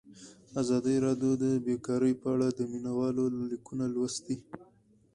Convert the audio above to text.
ازادي راډیو د بیکاري په اړه د مینه والو لیکونه لوستي.